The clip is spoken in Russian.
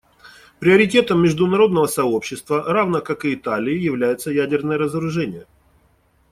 Приоритетом международного сообщества, равно как и Италии, является ядерное разоружение.